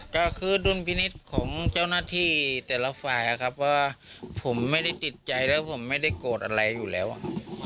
ก็คือดุลพินิษฐ์ของเจ้าหน้าที่แต่ละฝ่ายครับว่าผมไม่ได้ติดใจแล้วผมไม่ได้โกรธอะไรอยู่แล้วอ่ะ